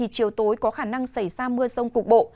chiều tối có khả năng xảy ra mưa rông cục bộ